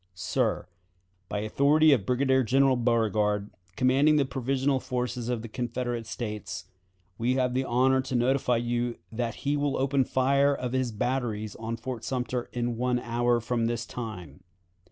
"Sir: By authority of Brigadier General Beauregard, commanding the provisional forces of the Confederate States, we have the honor to notify you that he will open the fire of his batteries on Fort Sumter in one hour from this time.